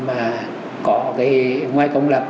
mà có cái ngoài công lập